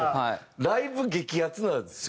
ライブ激アツなんですよ。